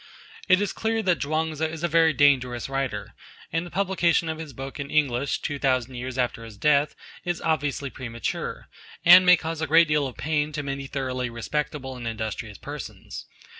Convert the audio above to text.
It is clear that Chuang Tzu is a very dangerous writer, and the publication of his book in English, two thousand years after his death, is obviously premature, and may cause a great deal of pain to many thoroughly respectable and industrious persons.